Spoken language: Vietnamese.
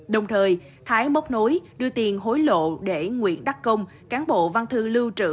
đồng thời thái mốc nối đưa tiền hối lộ để nguyễn đắc công cán bộ văn thư lưu trữ